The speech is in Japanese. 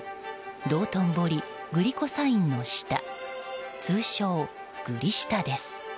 道頓堀グリコサインの下通称、グリ下です。